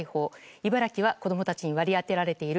茨城は子供たちに割り当てられている